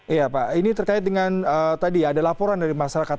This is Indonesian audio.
iya pak ini terkait dengan tadi ada laporan dari masyarakat